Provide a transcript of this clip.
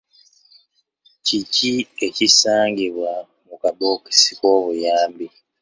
Kiki ekisangibwa mu kabookisi k'obuyambi?